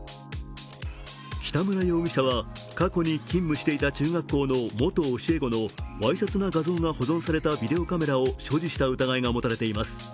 北村容疑者は過去に勤務していた中学校の元教え子のわいせつな画像が保存されたビデオカメラを所持した疑いが持たれています。